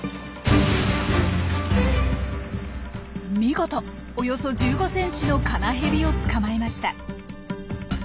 見事およそ１５センチのカナヘビを捕まえました。